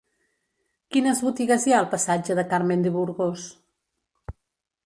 Quines botigues hi ha al passatge de Carmen de Burgos?